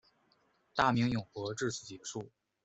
大明永和至此结束。